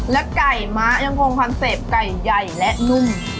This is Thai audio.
แล้วกล่องไก่มะยังโคมคอนเสพไก่ใหญ่และนุ่ม